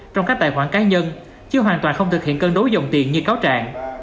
trong các tài khoản cá nhân chứ hoàn toàn không thực hiện cân đối dòng tiền như cáo trạng